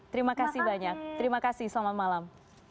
terima kasih banyak selamat malam